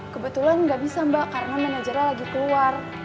kebetulan nggak bisa mbak karena manajernya lagi keluar